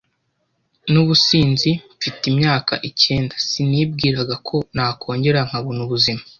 n’ubusinzi mfite imyaka icyenda sinibwiraga ko nakongera nkabona ubuzima.